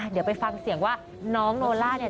เดี๋ยวไปฟังเสียงว่าน้องโนล่าเนี่ย